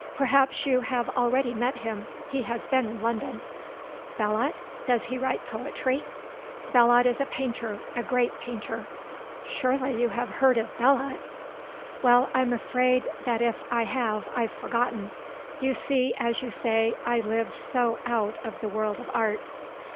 Perhaps you have already met him. He has been in London." "Belot? Does he write poetry?" "Poetry? No. Belot is a painter; a great painter. Surely you have heard of Belot?" "Well, I'm afraid that if I have I've forgotten. You see, as you say, I live so out of the world of art."